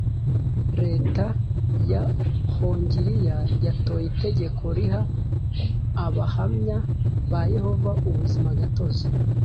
leta ya Hongiriya yatoye itegeko riha Abahamya ba Yehova ubuzima gatozi